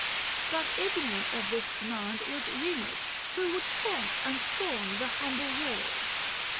But ignorant Of this command was Kemus, who would taunt, And scorn the humble walls.